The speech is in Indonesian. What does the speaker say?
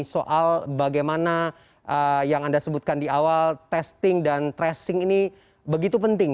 soal bagaimana yang anda sebutkan di awal testing dan tracing ini begitu penting